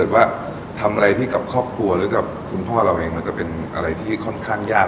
ว่าทำอะไรที่กับครอบครัวหรือกับคุณพ่อเราเองมันจะเป็นอะไรที่ค่อนข้างยาก